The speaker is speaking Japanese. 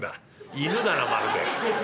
「犬だなまるで。